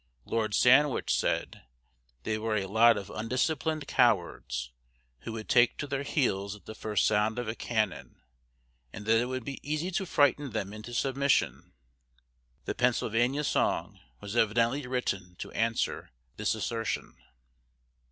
Lord Sandwich said that they were a lot of undisciplined cowards, who would take to their heels at the first sound of a cannon, and that it would be easy to frighten them into submission. The "Pennsylvania Song" was evidently written to answer this assertion.